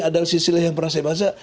adal sisile yang pernah saya bahasa